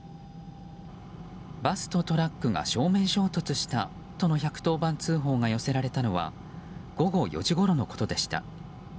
バスとトラックが正面衝突したとの１１０番通報が寄せられたのは午後４時ごろのことでした。